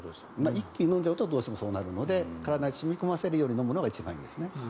一気に飲むとどうしてもそうなるので体に染み込ませるように飲むのが一番いいですね。